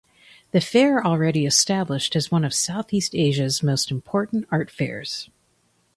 The fair already established as one of Southeast Asia’s most important art fairs.